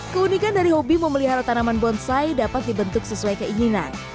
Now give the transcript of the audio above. keunikan dari hobi memelihara tanaman bonsai dapat dibentuk sesuai keinginan